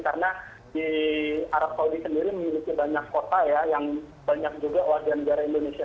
karena di arab saudi sendiri memiliki banyak kota yang banyak juga warga negara indonesia